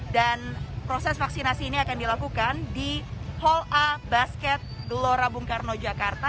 dan proses vaksinasi ini akan dilakukan di hall a basket gelora bungkarno jakarta